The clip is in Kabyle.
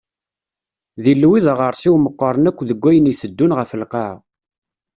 D ilew i d aɣersiw meqqren akk deg ayen iteddun ɣef lqaɛa.